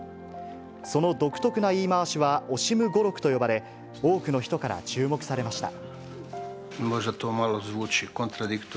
その独特な言い回しはオシム語録と呼ばれ、多くの人から注目されました。